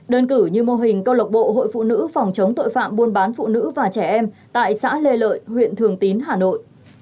đơn cử như mô hình câu lộc bộ hội phụ nữ phòng chống tội phạm buôn bán phụ nữ và trẻ em tại xã lê lợi huyện thường tín hà nội